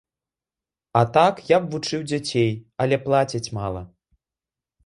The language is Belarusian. А так я б вучыў дзяцей, але плацяць мала.